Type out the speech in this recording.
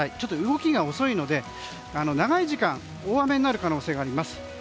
動きが遅いので長い時間大雨になる可能性があります。